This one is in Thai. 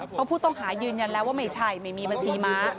เพราะผู้ต้องหายืนยันแล้วว่าไม่ใช่ไม่มีบัญชีม้า